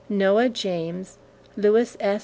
Noah James, Lewis S.